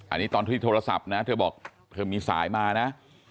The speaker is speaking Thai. อันนี้ตอนที่โทรศัพท์นะเธอบอกเธอมีสายมานะ